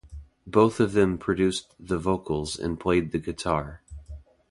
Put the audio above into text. Both of them produced the vocals and played the guitar.